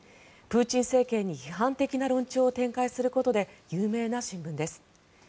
プーチン政権に批判的な論調を展開することで有名な新聞です。